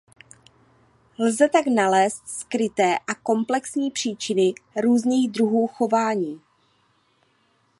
Lze tak nalézt skryté a komplexní příčiny různých druhů chování.